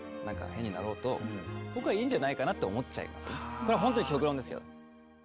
僕これはほんとに極論ですけど。